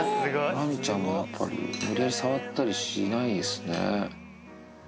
ラミちゃんもやっぱり、無理やり触ったりしないですね。